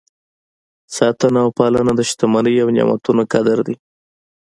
ساتنه او پالنه د شتمنۍ او نعمتونو قدر دی.